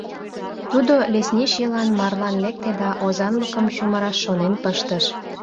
Тудо лесничийлан марлан лекте да озанлыкым чумыраш шонен пыштыш.